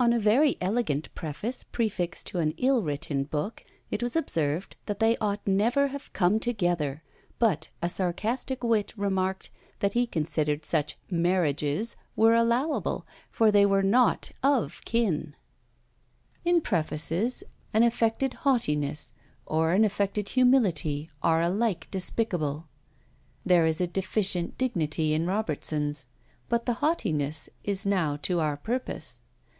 On a very elegant preface prefixed to an ill written book, it was observed that they ought never to have come together; but a sarcastic wit remarked that he considered such marriages were allowable, for they were not of kin. In prefaces an affected haughtiness or an affected humility are alike despicable. There is a deficient dignity in Robertson's; but the haughtiness is now to our purpose.